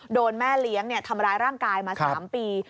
โดนแม่เลี้ยงทำร้ายร่างกายมา๓ปี